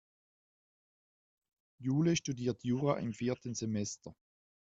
Jule studiert Jura im vierten Semester.